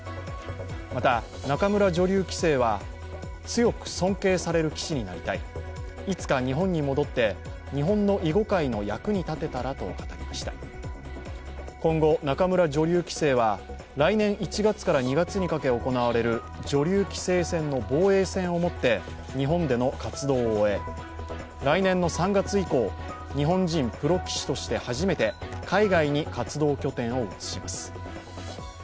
また、仲邑女流棋聖は強く尊敬される棋士になりたい、今後、仲邑女流棋聖は、来年１月から２月にかけて行われる女流棋聖戦の防衛戦をもって日本での活動を終え、来年３月以降、日本人プロ棋士として初めて海外に活動拠点を移します。